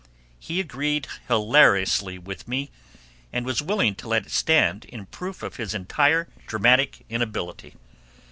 He agreed hilariously with me, and was willing to let it stand in proof of his entire dramatic inability.